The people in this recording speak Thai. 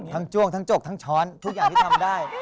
จ้วงทั้งจกทั้งช้อนทุกอย่างที่ทำได้